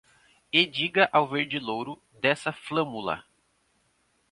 E diga o verde-louro dessa flâmula